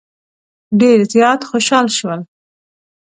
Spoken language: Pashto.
ډېر زیات خوشال شول.